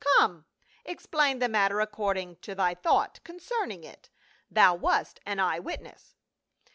" Come, explain the matter accord ing to thy thought concerning it, thou wast an eye witness.'"